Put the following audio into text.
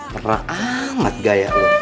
perah amat gaya lo